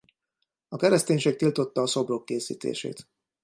A kereszténység tiltotta a szobrok készítését.